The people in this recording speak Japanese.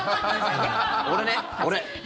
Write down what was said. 俺ね、俺。